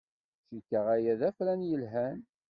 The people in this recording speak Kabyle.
Cikkeɣ aya d afran yelhan.